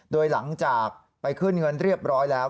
โดยหลังจากไปขึ้นเงินเรียบร้อยแล้ว